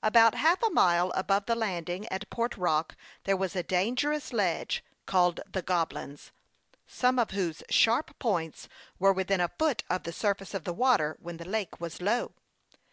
About half a mile above the landing at Port Rock there was a dangerous ledge, called the Goblins, some of whose sharp points were within a foot of the surface of the water when the lake was low.